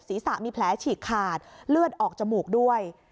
ศีรษะมีแผลฉีกขาดเลือดออกจมูกด้วย